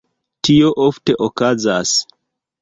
Tio ofte okazas.